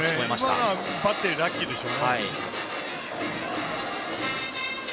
今のはバッテリーラッキーでした。